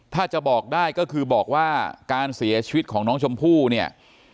ถ้าจะบอกได้ก็คือบอกว่าการเสียชีวิตของน้องชมพู่เนี่ย